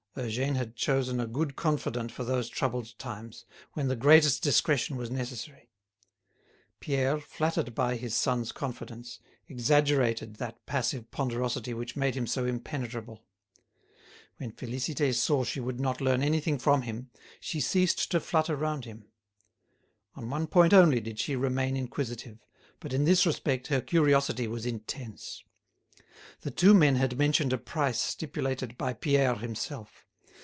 Eugène had chosen a good confidant for those troubled times, when the greatest discretion was necessary. Pierre, flattered by his son's confidence, exaggerated that passive ponderosity which made him so impenetrable. When Félicité saw she would not learn anything from him, she ceased to flutter round him. On one point only did she remain inquisitive, but in this respect her curiosity was intense. The two men had mentioned a price stipulated by Pierre himself.